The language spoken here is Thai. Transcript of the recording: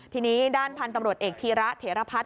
ทีนี้ด้านพันย์กำรวจเอกทีระเทระพัด